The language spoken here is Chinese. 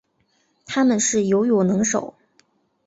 它们是游泳能手。